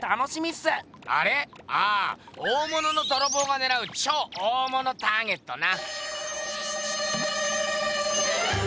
ああ大物のどろぼうがねらう超大物ターゲットな！